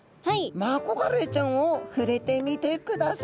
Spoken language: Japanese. マコガレイちゃんを触れてみてください。